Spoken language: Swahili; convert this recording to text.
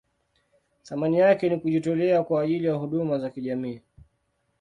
Thamani yake ni kujitolea kwa ajili ya huduma za kijamii.